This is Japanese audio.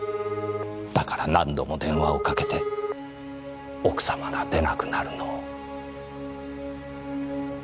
だから何度も電話をかけて奥様が出なくなるのを待った。